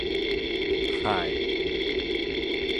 幌